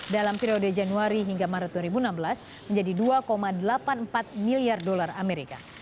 dalam periode januari hingga maret dua ribu enam belas menjadi dua delapan puluh empat miliar dolar amerika